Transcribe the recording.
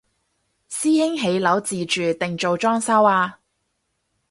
師兄起樓自住定做裝修啊？